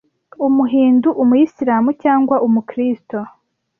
umuhindu umuyisilamu cyangwa umukristo